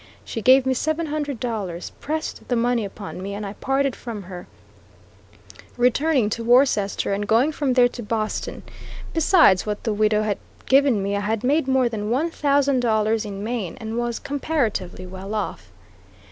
She gave me seven hundred dollars, pressed the money upon me, and I parted from her, returning to Worcester, and going from there to Boston. Besides what the widow bad given me, I had made more than one thousand dollars in Maine, and was comparatively well off.